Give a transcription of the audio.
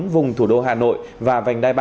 vùng thủ đô hà nội và vành đai ba